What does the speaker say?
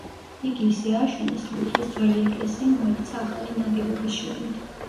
იგი ისე ააშენეს, რომ ხის ძველი ეკლესია მოექცა ახალი ნაგებობის შიგნით.